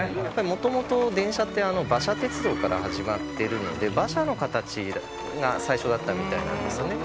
もともと電車って馬車鉄道から始まってるので馬車の形が最初だったみたいなんですよね。